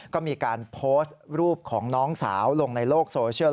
ก็มีการโพสต์รูปของน้องสาวลงในโลกโซเชียล